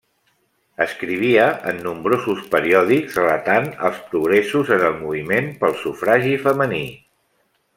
Escrivia en nombrosos periòdics relatant els progressos en el moviment pel sufragi femení.